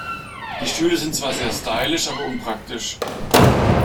Die Stühle sind zwar sehr stylisch, aber unpraktisch.